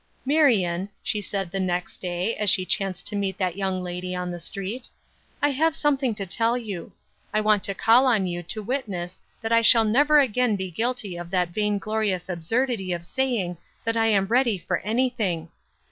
"Marion," she said the next day as she chanced to meet that young lady on the street, "I have something to tell you. I want to call on you to witness that I shall never again be guilty of that vainglorious absurdity of saying that I am ready for anything.